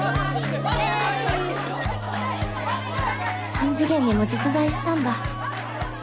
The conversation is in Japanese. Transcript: ３次元にも実在したんだ